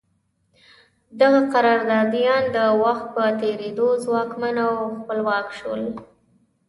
دغه قراردادیان د وخت په تېرېدو ځواکمن او خپلواک شول.